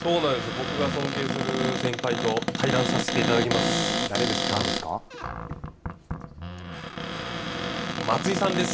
僕が尊敬する先輩と対談させていただきます。